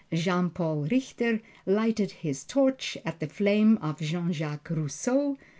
Jean Paul Richter lighted his torch at the flame of Jean Jacques Rousseau.